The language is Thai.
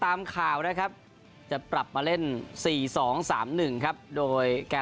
ตามข่าวนะครับจะปรับมาเล่นสี่สองสามหนึ่งครับโดยแก่